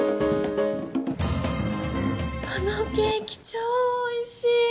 このケーキ超おいしい！